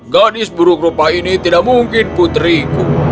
gadis buruk rupa ini tidak mungkin putriku